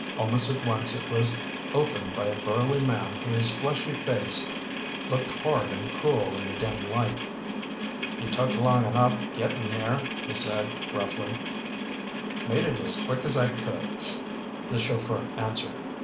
Almost at once it was opened by a burly man whose fleshy face looked hard and cruel in the dim light. "You took long enough getting here!" he said gruffly. "Made it as quick as I could," the chauffeur answered.